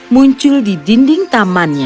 muncul di dinding tempatnya